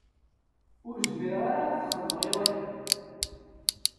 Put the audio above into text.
Ur zmireɣ ara ad t-xedmeɣ iḍ-agi.